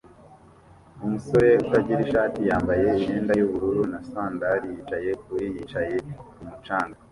Umusore utagira ishati yambaye imyenda yubururu na sandali yicaye kuri yicaye kumu canga